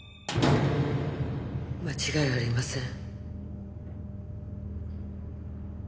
間違いありません。